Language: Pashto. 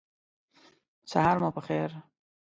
سهار مو په خیر !